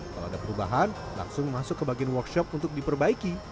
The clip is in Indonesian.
kalau ada perubahan langsung masuk ke bagian workshop untuk diperbaiki